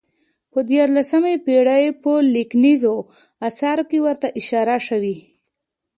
په دیارلسمې پېړۍ په لیکنیزو اثارو کې ورته اشاره شوې.